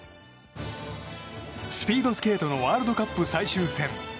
スピードスケートのワールドカップ最終戦。